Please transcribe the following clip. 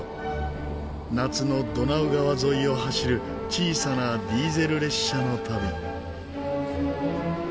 夏のドナウ川沿いを走る小さなディーゼル列車の旅。